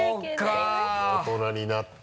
大人になって。